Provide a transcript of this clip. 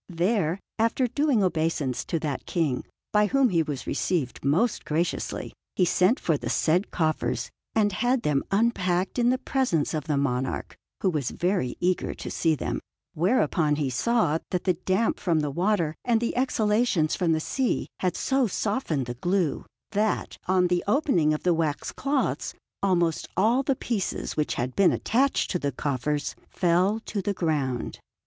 There, after doing obeisance to that King, by whom he was received most graciously, he sent for the said coffers and had them unpacked in the presence of the monarch, who was very eager to see them; whereupon he saw that the damp from the water and the exhalations from the sea had so softened the glue, that, on the opening of the waxed cloths, almost all the pieces which had been attached to the coffers fell to the ground.